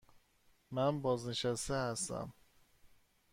من بازنشسته هستم.